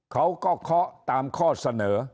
เขาก็เคาะตามข้อเสนอ